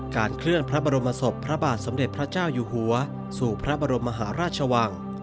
เคลื่อนพระบรมศพพระบาทสมเด็จพระเจ้าอยู่หัวสู่พระบรมมหาราชวัง